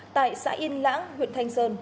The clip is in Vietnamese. tại xã yên lãng huyện thanh sơn